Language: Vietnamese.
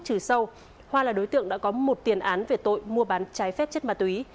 trừ sâu hoa là đối tượng đã có một tiền án về tội mua bán trái phép chất ma túy